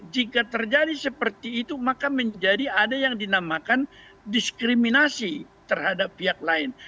jika terjadi seperti itu maka menjadi ada yang dinamakan diskriminasi terhadap pihak lain